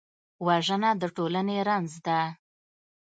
وژنه د ټولنې رنځ ده